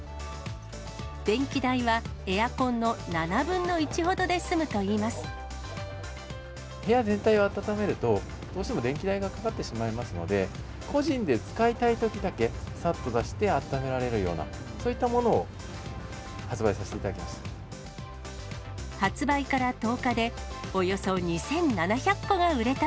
電気代は、エアコンの７分の部屋全体を暖めると、どうしても電気代がかかってしまいますので、個人で使いたいときだけ、さっと出して暖められるような、そういったものを発売させていただきました。